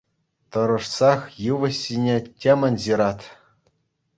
Тӑрӑшсах йывӑҫ ҫине темӗн ҫырать.